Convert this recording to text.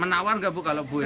menawar gak bu kalau bu iryana